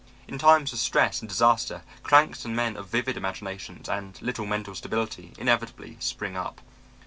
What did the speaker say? In times of stress and disaster cranks and men of vivid imaginations and little mental stability inevitably spring up.